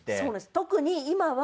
特に今は。